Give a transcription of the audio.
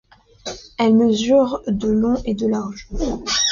Elle mesure de long et de large.